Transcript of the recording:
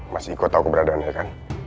mas iko tau keberadaannya kan